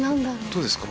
どうですか？